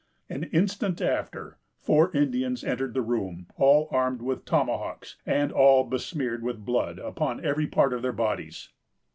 An instant after, four Indians entered the room, all armed with tomahawks, and all besmeared with blood, upon every part of their bodies.